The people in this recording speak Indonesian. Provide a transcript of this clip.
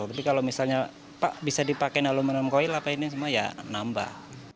tapi kalau misalnya pak bisa dipakai nalumenum koil apa ini semua ya nambah